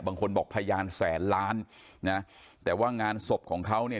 บางคนบอกพยานแสนล้านนะแต่ว่างานศพของเขาเนี่ย